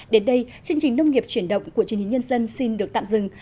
đến đây chương trình nông nghiệp chuyển động của truyền hình nhân dân xin được tạm dừng